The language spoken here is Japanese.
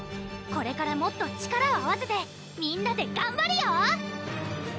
これからもっと力を合わせてみんなでがんばるよ！